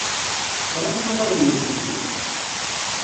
Tramt uraren n uselkim?